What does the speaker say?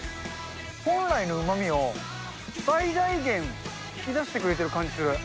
本来のうまみを最大限、引き出してくれてる感じする。